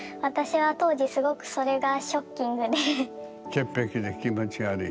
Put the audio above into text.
潔癖で気持ち悪い？